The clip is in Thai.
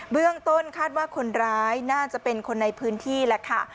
เรื่องต้นคาดว่าคนร้ายน่าจะเป็นคนในพื้นที่แหละค่ะ